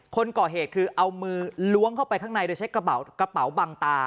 คนก่อเหตุคือเอามือล้วงเข้าไปข้างในโดยใช้กระเป๋าบังตา